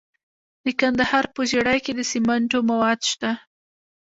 د کندهار په ژیړۍ کې د سمنټو مواد شته.